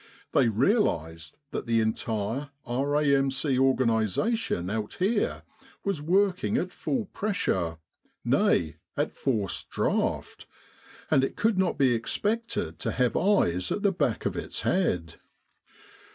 They realised that the 218 The Medical Advisory Committee entire R.A.M.C. organisation out here was working at full pressure, nay, at forced draught; and it could not be expected to have eyes 'at the back of its head.